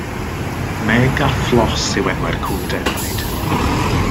Meg a Fflos y enwau'r cŵn defaid.